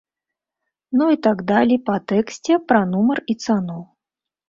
Ну і так далей па тэксце пра нумар і цану.